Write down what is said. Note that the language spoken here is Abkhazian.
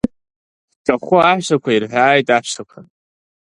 Ҳҿахәы аҳәсақәа ирҳәааит, аҳәсақәа!